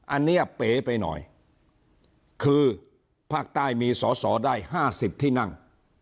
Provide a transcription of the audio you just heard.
อันนี้เป๋ไปหน่อยคือภาคใต้มีสอสอได้๕๐ที่นั่ง